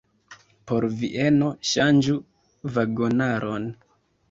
Por Vieno, ŝanĝu vagonaron!